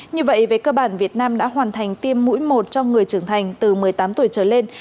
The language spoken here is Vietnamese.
như vậy về cơ bản việt nam đã hoàn thành tiêm mũi một cho người trưởng thành từ một mươi tám tuổi trở lên